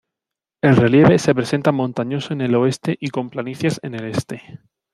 El relieve se presenta montañoso en el oeste y con planicies en el este.